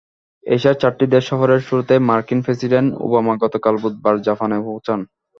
এশিয়ার চারটি দেশ সফরের শুরুতেই মার্কিন প্রেসিডেন্ট ওবামা গতকাল বুধবার জাপানে পৌঁছান।